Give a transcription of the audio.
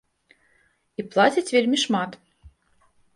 І плацяць вельмі шмат.